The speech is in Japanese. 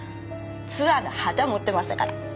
ツアーの旗持ってましたから。